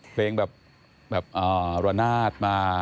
เพลงแบบแบบอ่อระนาดมา